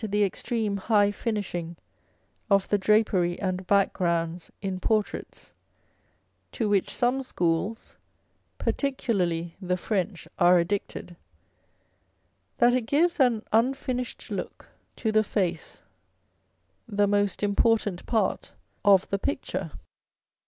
the extreme high finishing of the drapery and backgrounds in portraits' (to which some schools, particularly the French, are addicted), that it gives an unfinished look to the face, the most important part of the picture.